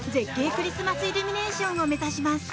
クリスマスイルミネーションを目指します。